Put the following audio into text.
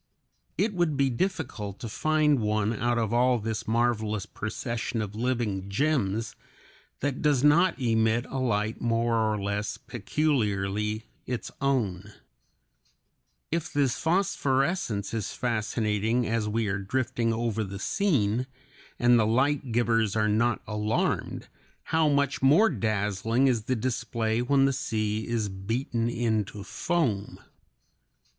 It would be difficult to find one out of all this marvelous procession of living gems that does not emit a light more or less peculiarly its own. [Illustration: FIG. 25. Jellyfish (Rhizostoma).] If this phosphorescence is fascinating as we are drifting over the scene and the light givers are not alarmed, how much more dazzling is the display when the sea is beaten into foam.